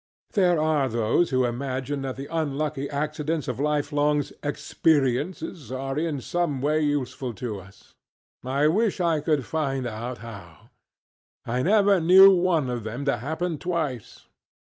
There are those who imagine that the unlucky accidents of lifeŌĆölifeŌĆÖs ŌĆ£experiencesŌĆØŌĆöare in some way useful to us. I wish I could find out how. I never knew one of them to happen twice.